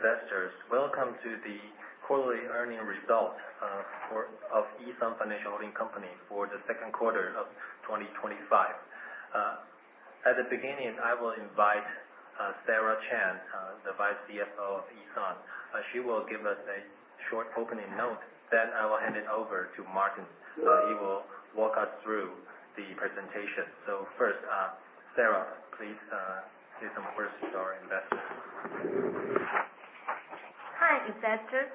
Dear investors, welcome to the quarterly earnings result of E.SUN Financial Holding Company for the second quarter of 2025. At the beginning, I will invite Sarah Chen, the Vice CFO of E.SUN. She will give us a short opening note. Then I will hand it over to Martin. He will walk us through the presentation. First, Sarah, please say some words to our investors. Hi, investors.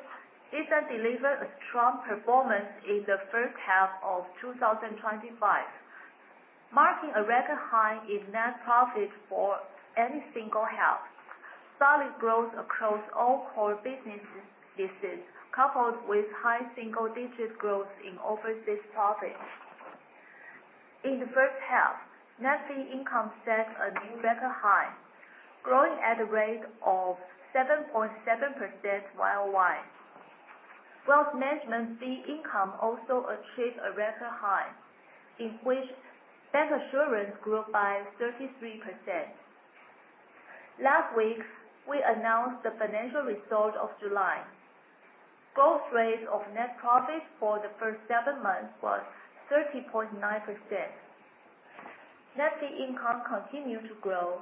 E.SUN delivered a strong performance in the first half of 2025, marking a record high in net profit for any single half. Solid growth across all core business pieces, coupled with high single-digit growth in overseas profit. In the first half, net fee income set a new record high, growing at a rate of 7.7% year-on-year. Wealth management fee income also achieved a record high, in which bancassurance grew by 33%. Last week, we announced the financial result of July. Growth rate of net profit for the first seven months was 30.9%. Net fee income continued to grow.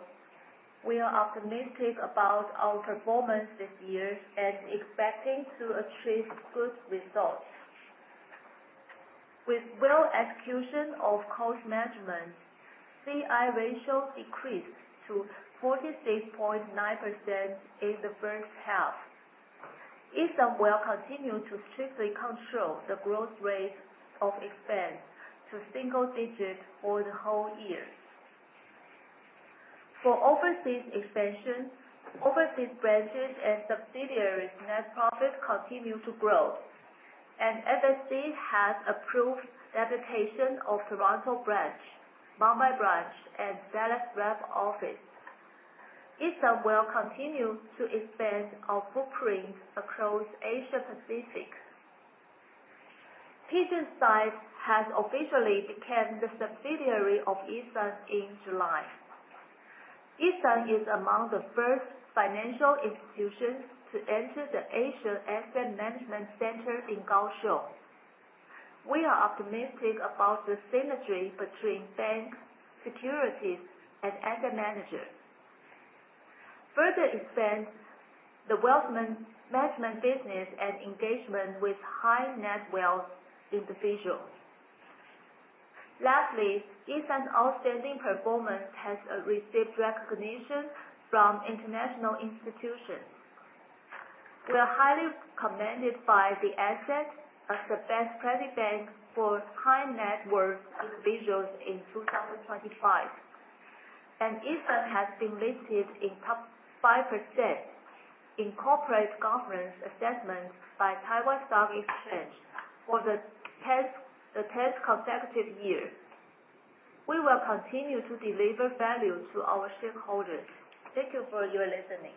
We are optimistic about our performance this year and expecting to achieve good results. With well execution of cost management, C/I ratio decreased to 46.9% in the first half. E.SUN will continue to strictly control the growth rate of expense to single digit for the whole year. For overseas expansion, overseas branches and subsidiaries net profit continue to grow. FSC has approved the application of Toronto branch, Mumbai branch, and Dallas rep office. E.SUN will continue to expand our footprint across Asia Pacific. PGIM SITE has officially become the subsidiary of E.SUN in July. E.SUN is among the first financial institutions to enter the Asia Asset Management Center in Kaohsiung. We are optimistic about the synergy between bank, securities, and asset managers. Further expand the wealth management business and engagement with high net wealth individuals. E.SUN's outstanding performance has received recognition from international institutions. We are highly commended by The Asset as the best private bank for high net worth individuals in 2025. E.SUN has been listed in top 5% in corporate governance assessments by Taiwan Stock Exchange for the tenth consecutive year. We will continue to deliver value to our shareholders. Thank you for your listening.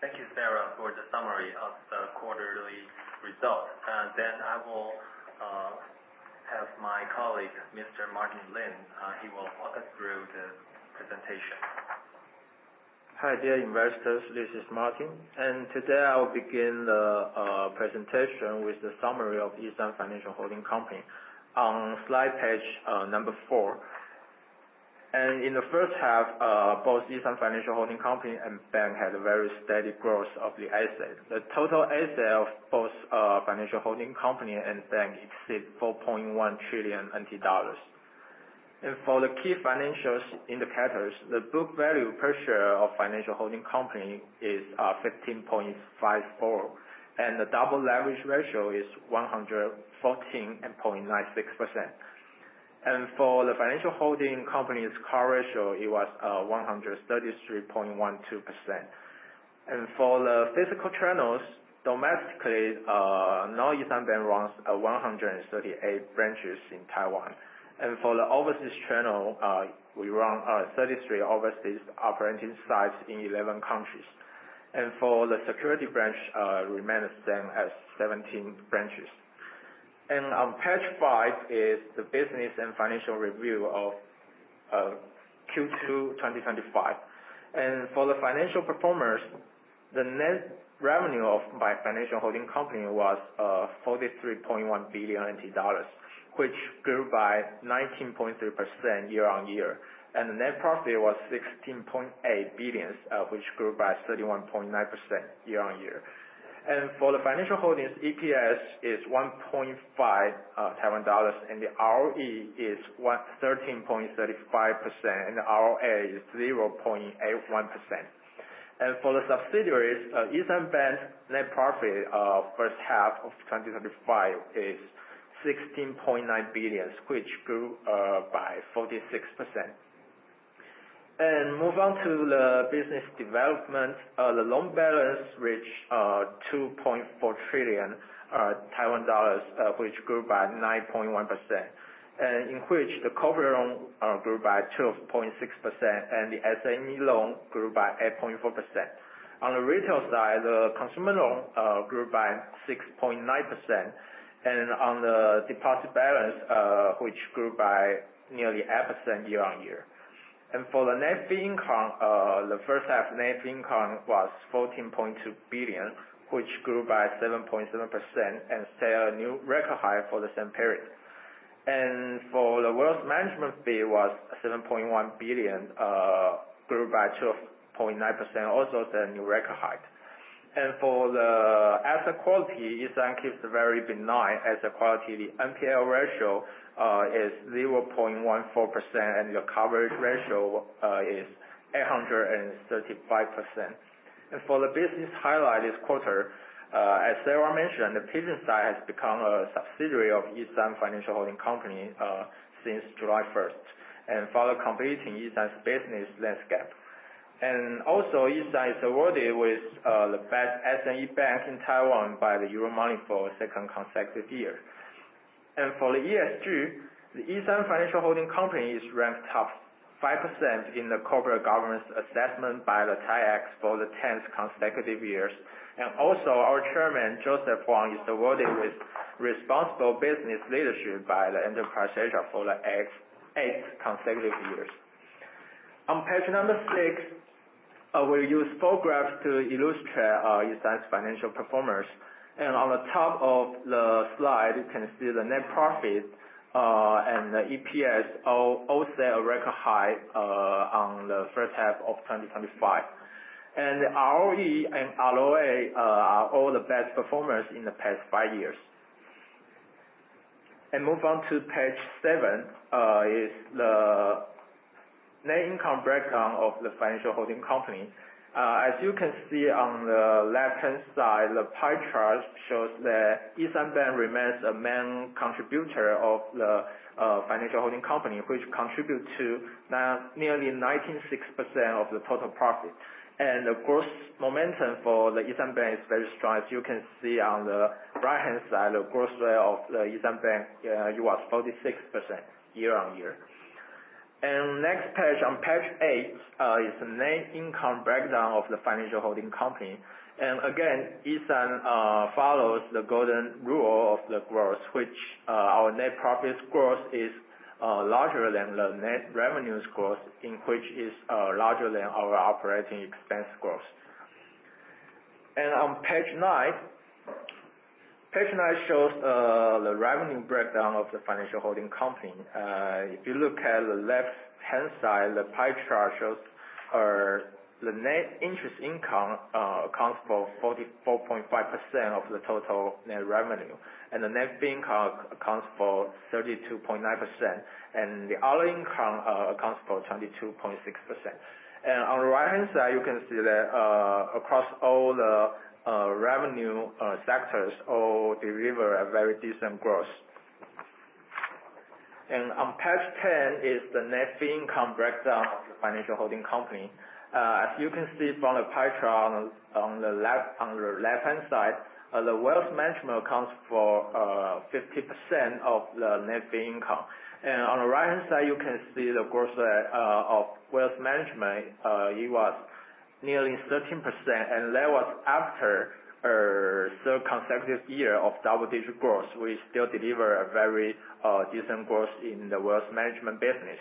Thank you, Sarah, for the summary of the quarterly results. I will have my colleague, Mr. Martin Lin. He will walk us through the presentation. Hi, dear investors. This is Martin. Today, I will begin the presentation with the summary of E.SUN Financial Holding Company on slide page number four. In the first half, both E.SUN Financial Holding Company and E.SUN Bank had a very steady growth of the asset. The total asset of both Financial Holding Company and E.SUN Bank is 4.1 trillion NT dollars. For the key financials indicators, the book value per share of E.SUN Financial Holding Company is 15.54, and the double leverage ratio is 114.96%. For the Financial Holding Company's CAR ratio, it was 133.12%. For the physical channels domestically, E.SUN Bank runs 138 branches in Taiwan. For the overseas channel, we run 33 overseas operating sites in 11 countries. For the E.SUN Securities branch, remains the same at 17 branches. On page five is the business and financial review of Q2 2025. For the financial performance, the net revenue of my E.SUN Financial Holding Company was 43.1 billion dollars, which grew by 19.3% year-on-year. The net profit was 16.8 billion, which grew by 31.9% year-on-year. For the Financial Holding Company's EPS is 1.5 Taiwan dollars, and the ROE is 13.35%, and ROA is 0.81%. For the subsidiaries, E.SUN Bank net profit first half of 2025 is 16.9 billion, which grew by 46%. Move on to the business development. The loan balance reached 2.4 trillion Taiwan dollars, which grew by 9.1%, in which the cover loan grew by 12.6%. The SME loan grew by 8.4%. On the retail side, the consumer loan grew by 6.9%. On the deposit balance, which grew by nearly 8% year-on-year. For the net fee income, the first half net fee income was 14.2 billion, which grew by 7.7% and set a new record high for the same period. For the wealth management fee was 7.1 billion, grew by 2.9%, also set a new record high. For the asset quality, E.SUN keeps a very benign asset quality. The NPL ratio is 0.14%. The coverage ratio is 835%. For the business highlight this quarter, as Sarah mentioned, the leasing side has become a subsidiary of E.SUN Financial Holding Company since July 1st, further completing E.SUN's business landscape. E.SUN is awarded with the best SME bank in Taiwan by Euromoney for a second consecutive year. For the ESG, the E.SUN Financial Holding Company is ranked top 5% in the corporate governance assessment by the TWSE for the 10th consecutive years. Our chairman, Joseph Huang, is awarded with responsible business leadership by the Enterprise Asia for the eighth consecutive years. On page six, we use four graphs to illustrate E.SUN's financial performance. On the top of the slide, you can see the net profit and the EPS all set a record high on the first half of 2025. ROE and ROA are all the best performance in the past five years. Move on to page seven, is the net income breakdown of the Financial Holding Company. As you can see on the left-hand side, the pie chart shows that E.SUN Bank remains a main contributor of the Financial Holding Company, which contributes to nearly 96% of the total profit. Of course, momentum for the E.SUN Bank is very strong. As you can see on the right-hand side, the growth rate of the E.SUN Bank, it was 46% year-over-year. Next page, on page eight, is the net income breakdown of the Financial Holding Company. Again, E.SUN follows the golden rule of the growth, which our net profit growth is larger than the net revenues growth, in which is larger than our operating expense growth. On page nine, page nine shows the revenue breakdown of the Financial Holding Company. If you look at the left-hand side, the pie chart shows the net interest income accounts for 44.5% of the total net revenue, and the net fee income accounts for 32.9%, and the other income accounts for 22.6%. On the right-hand side, you can see that across all the revenue sectors all deliver a very decent growth. On page 10 is the net fee income breakdown of the Financial Holding Company. As you can see from the pie chart on the left-hand side, the wealth management accounts for 50% of the net fee income. On the right-hand side, you can see the growth rate of wealth management, it was nearly 13%, and that was after a third consecutive year of double-digit growth. We still deliver a very decent growth in the wealth management business.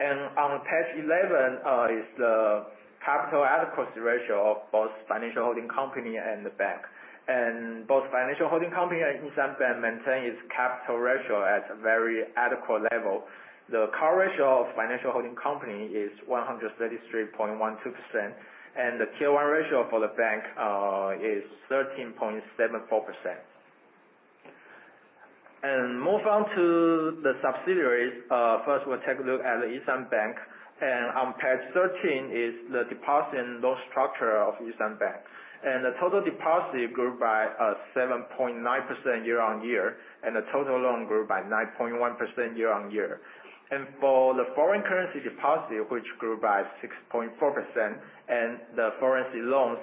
On page 11, is the capital adequacy ratio of both Financial Holding Company and the bank. Both Financial Holding Company and E.SUN Bank maintain its capital ratio at a very adequate level. The CAR ratio of Financial Holding Company is 133.12%, and the K1 ratio for the bank is 13.74%. Move on to the subsidiaries. First, we'll take a look at the E.SUN Bank. On page 13 is the deposit and loan structure of E.SUN Bank. The total deposit grew by 7.9% year-over-year, and the total loan grew by 9.1% year-over-year. For the foreign currency deposit, which grew by 6.4%, and the foreign currency loans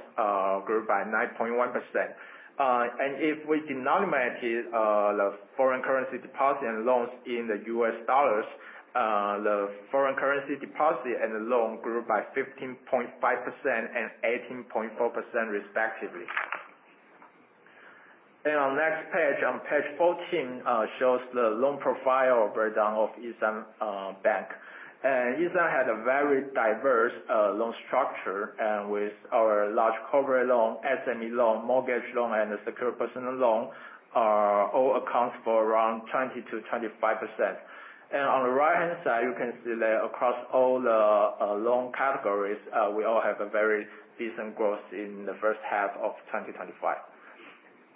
grew by 9.1%. If we denominate the foreign currency deposit and loans in the US dollars, the foreign currency deposit and the loan grew by 15.5% and 18.4% respectively. On next page, on page 14, shows the loan profile breakdown of E.SUN Bank. E.SUN has a very diverse loan structure, with our large corporate loan, SME loan, mortgage loan, and the secured personal loan, all accounts for around 20%-25%. On the right-hand side, you can see that across all the loan categories, we all have a very decent growth in the first half of 2025.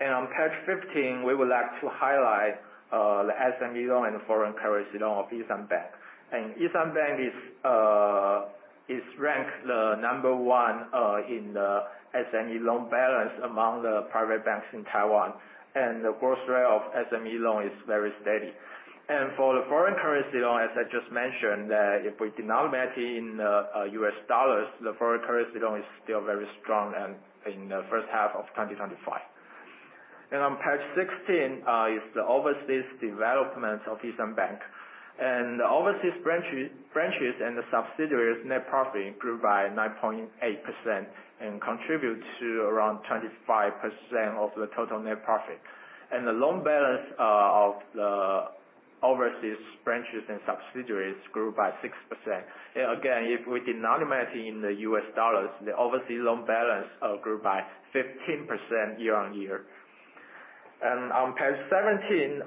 On page 15, we would like to highlight the SME loan and foreign currency loan of E.SUN Bank. E.SUN Bank is ranked the number 1 in the SME loan balance among the private banks in Taiwan. The growth rate of SME loan is very steady. For the foreign currency loan, as I just mentioned, if we denominate in U.S. dollars, the foreign currency loan is still very strong in the first half of 2025. On page 16, is the overseas development of E.SUN Bank. Overseas branches and the subsidiaries net profit grew by 9.8% and contribute to around 25% of the total net profit. The loan balance of the Overseas branches and subsidiaries grew by 6%. Again, if we denominate in the U.S. dollars, the overseas loan balance grew by 15% year-on-year. On page 17,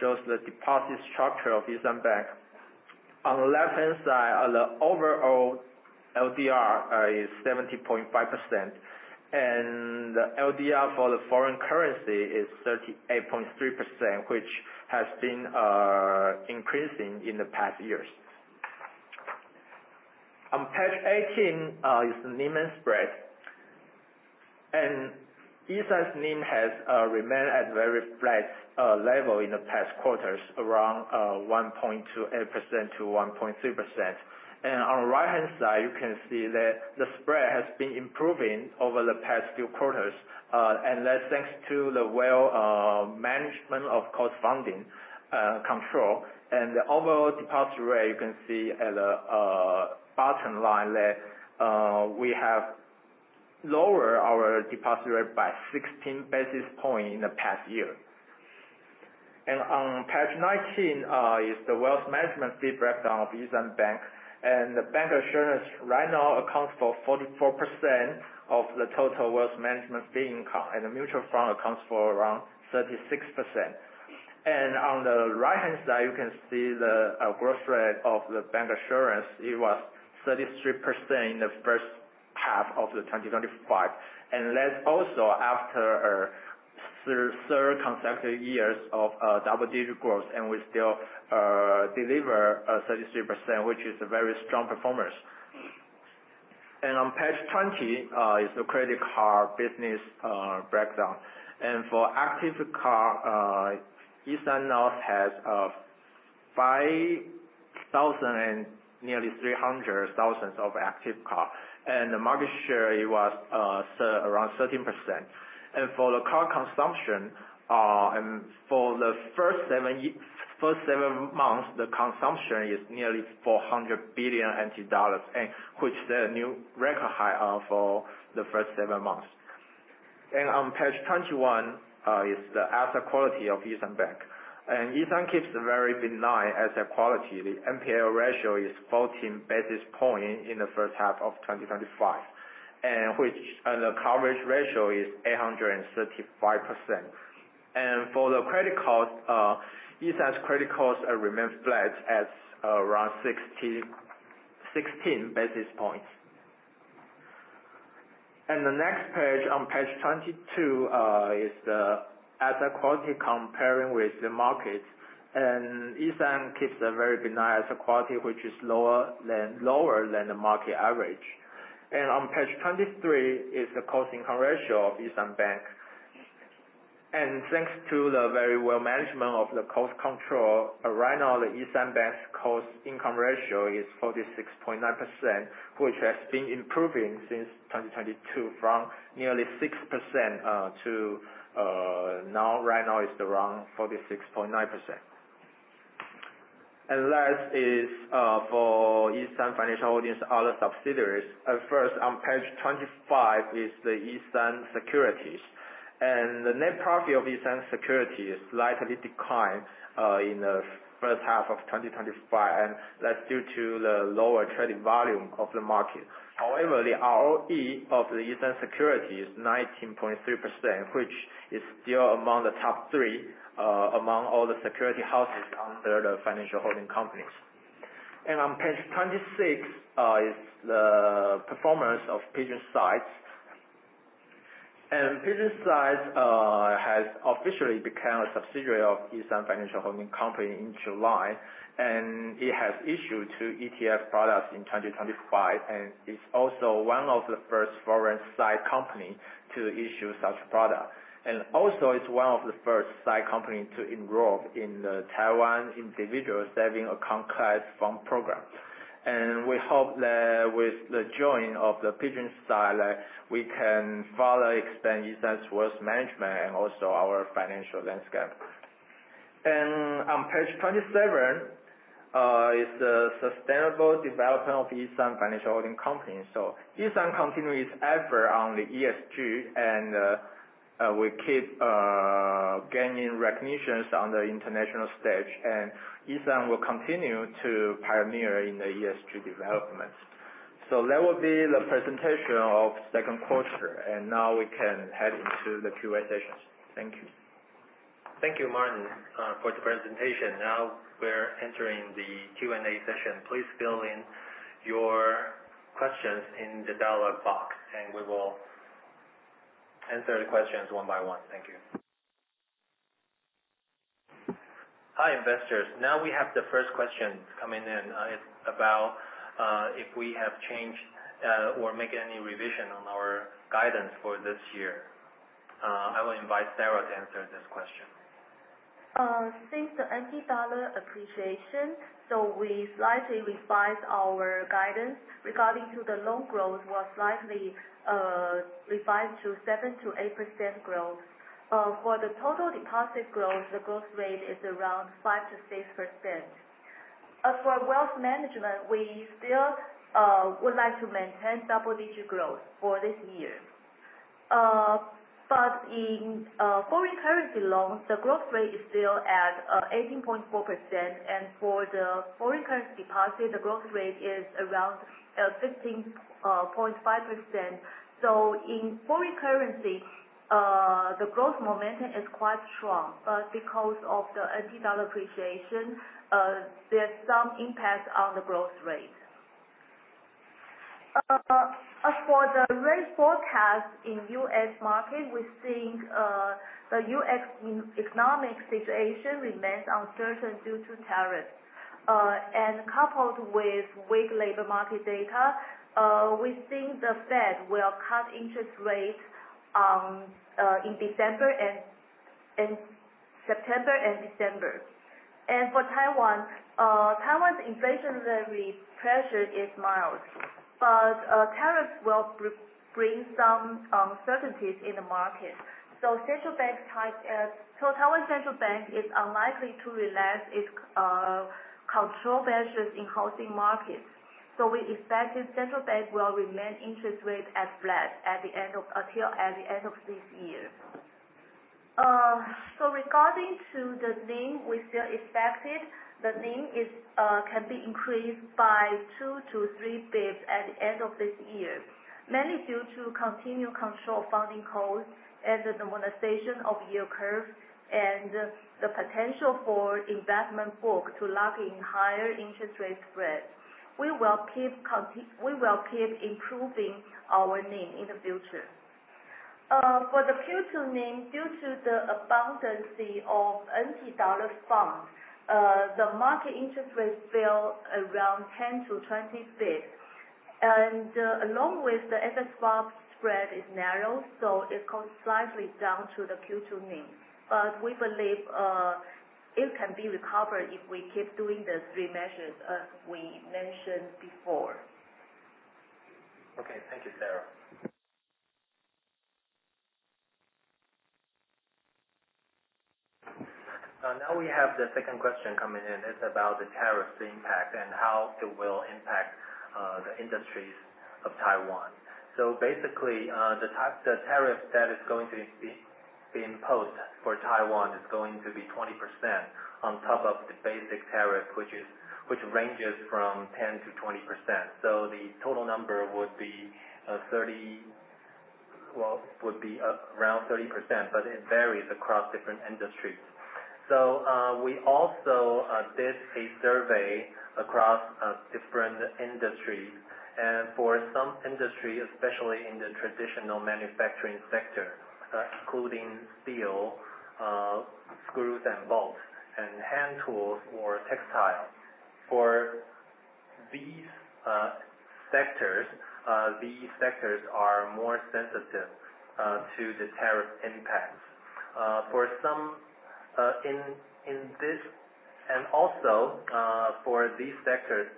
shows the deposit structure of E.SUN Bank. On the left-hand side, the overall LDR is 70.5%, the LDR for the foreign currency is 38.3%, which has been increasing in the past years. On page 18 is the NIM and spread. E.SUN's NIM has remained at a very flat level in the past quarters, around 1.28%-1.3%. On the right-hand side, you can see that the spread has been improving over the past few quarters. That's thanks to the well management of cost funding control. The overall deposit rate, you can see at the bottom line there, we have lowered our deposit rate by 16 basis points in the past year. On page 19 is the wealth management fee breakdown of E.SUN Bank. The bancassurance right now accounts for 44% of the total wealth management fee income, the mutual fund accounts for around 36%. On the right-hand side, you can see the growth rate of the bancassurance. It was 33% in the first half of 2025. That's also after three consecutive years of double-digit growth, we still deliver 33%, which is a very strong performance. On page 20 is the credit card business breakdown. For active card, E.SUN now has 5,000 and nearly 300,000 of active card. The market share, it was around 13%. For the card consumption, for the first seven months, the consumption is nearly 400 billion NT dollars, which is a new record high for the first seven months. On page 21 is the asset quality of E.SUN Bank, E.SUN keeps a very benign asset quality. The NPL ratio is 14 basis points in the first half of 2025, the coverage ratio is 835%. For the credit cards, E.SUN's credit cards remain flat at around 16 basis points. The next page, on page 22, is the asset quality comparing with the market. E.SUN keeps a very benign asset quality, which is lower than the market average. On page 23 is the cost-to-income ratio of E.SUN Bank. Thanks to the very well management of the cost control, right now, the E.SUN Bank's cost-to-income ratio is 46.9%, which has been improving since 2022 from nearly 6% to now, it's around 46.9%. Last is for E.SUN Financial Holding's other subsidiaries. On page 25 is the E.SUN Securities. The net profit of E.SUN Securities slightly declined in the first half of 2025, that's due to the lower trading volume of the market. However, the ROE of the E.SUN Securities is 19.3%, which is still among the top three among all the security houses under the financial holding companies. On page 26 is the performance of PGIM SITE. PGIM SITE has officially become a subsidiary of E.SUN Financial Holding Company in July, it has issued two ETF products in 2025 and is also one of the first foreign SITE company to issue such product. Also, it's one of the first SITE company to enroll in the Taiwan Individual Savings Account class fund program. We hope that with the join of the PGIM SITE, we can further expand E.SUN's wealth management and also our financial landscape. On page 27 is the sustainable development of E.SUN Financial Holding Company. E.SUN continue its effort on the ESG, we keep gaining recognitions on the international stage, E.SUN will continue to pioneer in the ESG development. That will be the presentation of second quarter, now we can head into the Q&A session. Thank you. Thank you, Martin, for the presentation. Now we're entering the Q&A session. Please fill in your questions in the dialog box, we will answer the questions one by one. Thank you. Hi, investors. Now we have the first question coming in. It's about if we have changed or make any revision on our guidance for this year. I will invite Sarah to answer this question. Since the NT dollar appreciation, we slightly revised our guidance regarding to the loan growth was slightly revised to 7%-8% growth. For the total deposit growth, the growth rate is around 5%-6%. As for wealth management, we still would like to maintain double-digit growth for this year. In foreign currency loans, the growth rate is still at 18.4%, for the foreign currency deposit, the growth rate is around 15.5%. In foreign currency, the growth momentum is quite strong. Because of the NT dollar appreciation, there's some impact on the growth rate. As for the rate forecast in U.S. market, we think the U.S. economic situation remains uncertain due to tariffs. Coupled with weak labor market data, we think the Fed will cut interest rates in September and December. For Taiwan's inflationary pressure is mild. Tariffs will bring some uncertainties in the market. Taiwan Central Bank is unlikely to relax its control measures in housing markets. We expect that Taiwan Central Bank will remain interest rates flat until the end of this year. Regarding the NIM, we still expect the NIM can be increased by 2 to 3 basis points at the end of this year, mainly due to continued control of funding costs and the normalization of yield curves and the potential for investment book to lock in higher interest rate spreads. We will keep improving our NIM in the future. For the Q2 NIM, due to the abundance of TWD funds, the market interest rates fell around 10 to 20 basis points. Along with the NSFR spread is narrow, so it goes slightly down to the Q2 NIM. We believe it can be recovered if we keep doing the three measures as we mentioned before. Okay. Thank you, Sarah. Now we have the second question coming in. It's about the tariff's impact and how it will impact the industries of Taiwan. Basically, the tariff that is going to be imposed for Taiwan is going to be 20% on top of the basic tariff, which ranges from 10%-20%. The total number would be around 30%, but it varies across different industries. We also did a survey across different industries. For some industries, especially in the traditional manufacturing sector, including steel, screws and bolts, and hand tools or textiles. These sectors are more sensitive to the tariff impacts. Also, for these sectors,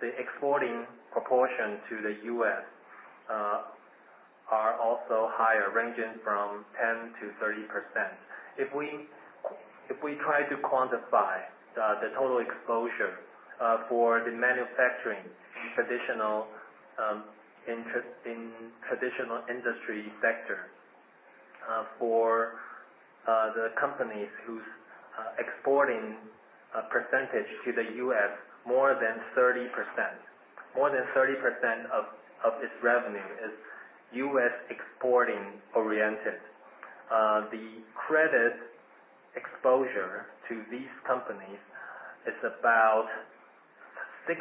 the exporting proportion to the U.S. are also higher, ranging from 10%-30%. If we try to quantify the total exposure for the manufacturing in traditional industry sectors for the companies whose exporting percentage to the U.S. more than 30% of its revenue is U.S. exporting oriented. The credit exposure to these companies is about 16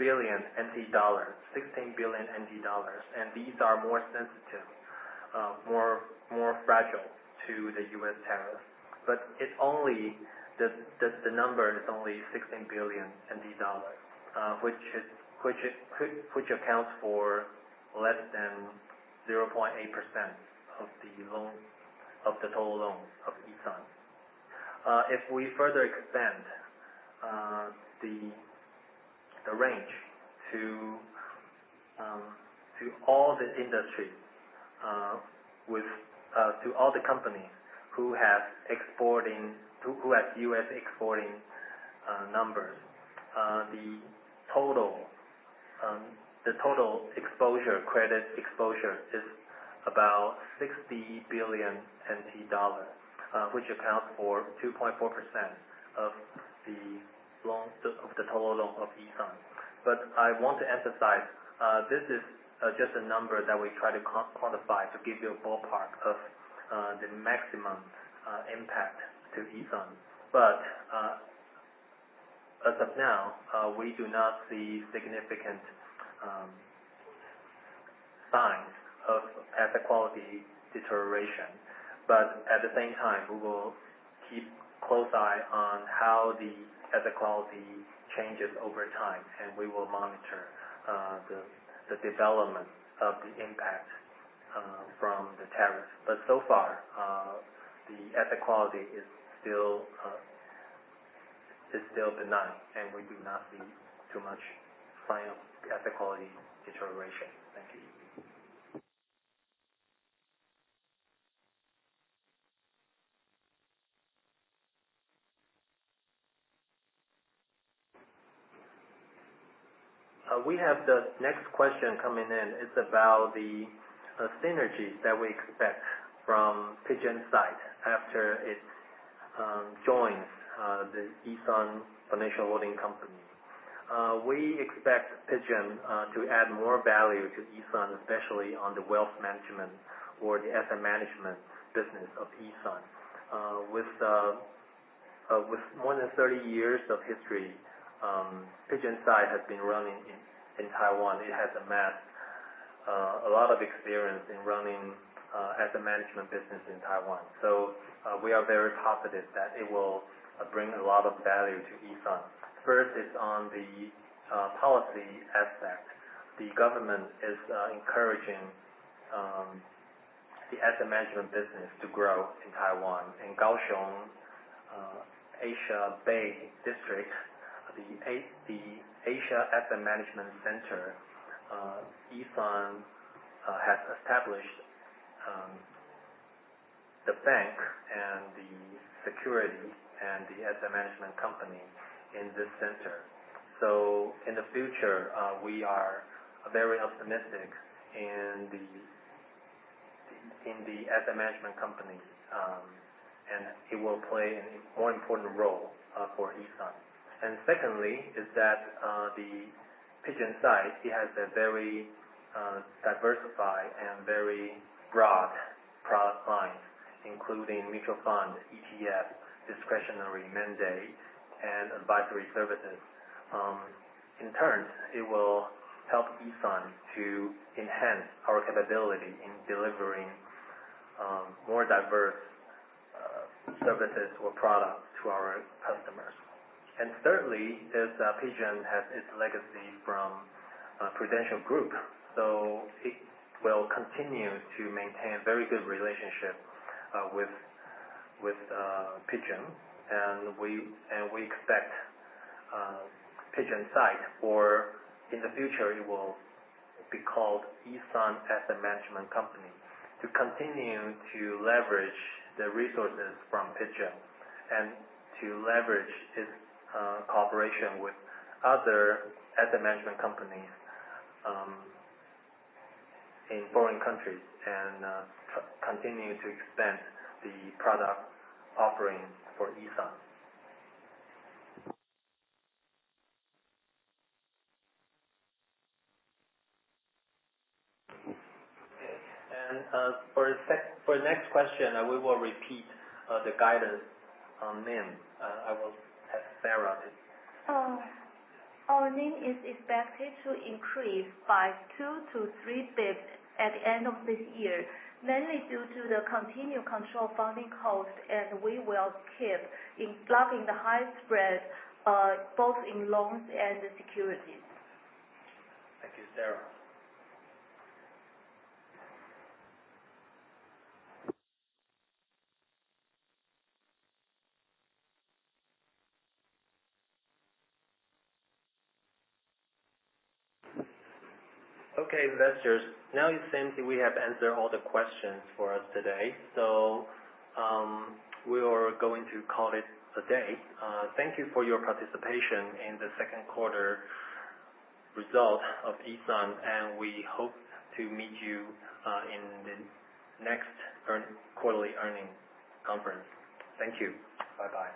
billion dollars, and these are more sensitive, more fragile to the U.S. tariff. The number is only 16 billion NT dollars, which accounts for less than 0.8% of the total loans of E.SUN. If we further expand the range to all the companies who have U.S. exporting numbers, the total credit exposure is about 60 billion NT dollars, which accounts for 2.4% of the total loan of E.SUN. I want to emphasize, this is just a number that we try to quantify to give you a ballpark of the maximum impact to E.SUN. As of now, we do not see significant signs of asset quality deterioration. At the same time, we will keep close eye on how the asset quality changes over time, and we will monitor the development of the impact from the tariffs. So far, the asset quality is still benign, and we do not see too much sign of asset quality deterioration. Thank you, Yi-Bi. We have the next question coming in. It's about the synergy that we expect from PGIM SITE after it joins E.SUN Financial Holding Company. We expect PGIM to add more value to E.SUN, especially on the wealth management or the asset management business of E.SUN. With more than 30 years of history, PGIM SITE has been running in Taiwan. It has amassed a lot of experience in running asset management business in Taiwan. We are very positive that it will bring a lot of value to E.SUN. First is on the policy aspect. The government is encouraging the asset management business to grow in Taiwan. In Kaohsiung Asia New Bay Area, the Asia Asset Management Center, E.SUN has established the bank and the security and the asset management company in this center. In the future, we are very optimistic in the asset management company, and it will play a more important role for E.SUN. Secondly is that PGIM SITE, it has a very diversified and very broad product lines, including mutual fund, ETF, discretionary mandate, and advisory services. In turn, it will help E.SUN to enhance our capability in delivering more diverse services or products to our customers. Thirdly is PGIM has its legacy from Prudential Financial, Inc., so it will continue to maintain very good relationship with PGIM. We expect PGIM SITE, or in the future it will be called E.SUN Asset Management Company, to continue to leverage the resources from PGIM and to leverage its cooperation with other asset management companies in foreign countries and continue to expand the product offering for E.SUN. Okay. For the next question, we will repeat the guidance on NIM. I will ask Sarah this. Our NIM is expected to increase by 2 to 3 bps at the end of this year, mainly due to the continued control funding cost as we will keep plugging the high spread, both in loans and securities. Thank you, Sarah. Okay, investors. Now it seems we have answered all the questions for us today. We are going to call it a day. Thank you for your participation in the second quarter result of E.SUN, and we hope to meet you in the next quarterly earning conference. Thank you. Bye-bye.